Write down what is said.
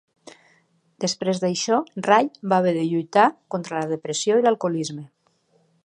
Després d'això, Ray va haver de lluitar contra la depressió i l'alcoholisme.